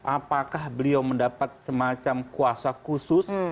apakah beliau mendapat semacam kuasa khusus